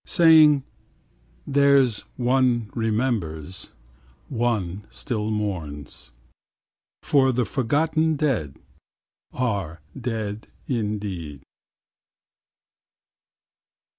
Saying: There's one remembers, one still mourns ; For the forgotten dead are dead indeed.